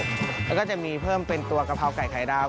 แล้วก็จะมีเพิ่มเป็นตัวกะเพราไก่ไข่ดาว